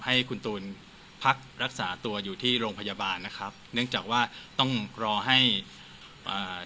ให้คุณตูนพักรักษาตัวอยู่ที่โรงพยาบาลนะครับเนื่องจากว่าต้องรอให้อ่า